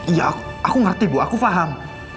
iya aku ngerti bahwa aku paham